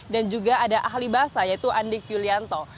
dan juga ada ahli bahasa yaitu andik yulianto